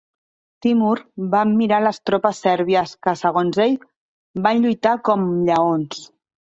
Timur va admirar les tropes sèrbies que, segons ell, "van lluitar com lleons".